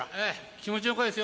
気持ちよかですよ。